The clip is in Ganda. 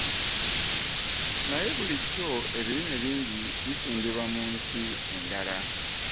Naye bulijjo ebirime bingi bisimbibwa mu nsi endala.